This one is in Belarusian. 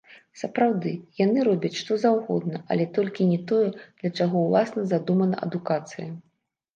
Сапраўды, яны робяць што заўгодна, але толькі не тое, для чаго ўласна задумана адукацыя.